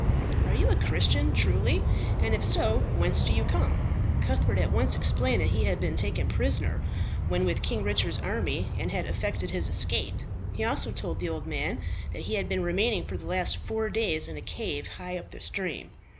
"Are you a Christian truly; and if so, whence do you come?" Cuthbert at once explained that he had been taken prisoner when with King Richard's army, and had effected his escape. He also told the old man that he had been remaining for the last four days in a cave higher up the stream.